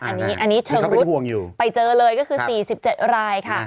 อันนี้เชิงรุกไปเจอเลยก็คือ๔๗รายค่ะ